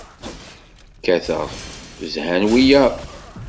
Kkateɣ, zhan wiyaḍ.